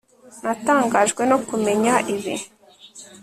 Natangajwe no kumenya ibi